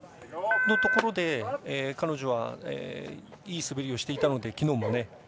すり鉢のところで彼女はいい滑りをしていたので昨日もね。